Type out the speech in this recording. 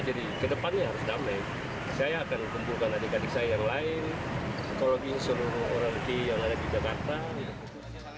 jadi ke depannya harus damai saya akan kumpulkan adik adik saya yang lain ekologi seluruh orang di jakarta